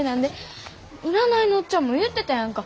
占いのおっちゃんも言うてたやんか。